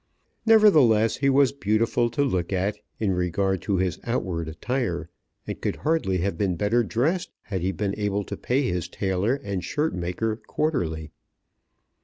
Nevertheless, he was beautiful to look at in regard to his outward attire, and could hardly have been better dressed had he been able to pay his tailor and shirt maker quarterly.